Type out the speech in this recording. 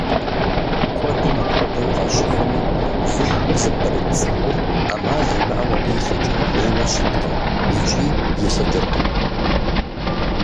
Куэдым апхуэдэу къащыхъуми, лышхыр зыпкърыт цӀыхур Ӏэмал имыӀэу абы илӀыкӀын хуейуэ щыткъым икӀи илӀыкӀыркъым.